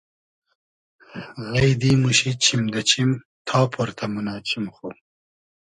غݷدی موشی چیم دۂ چیم تا پۉرتۂ مونۂ چیم خو